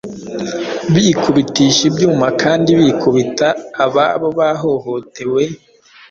bikubitisha ibyuma Kandi bikubita ababo bahohotewe,